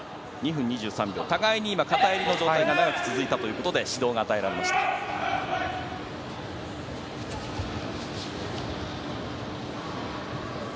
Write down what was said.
互いに今、片襟の状態が長く続いたということで指導が与えられました。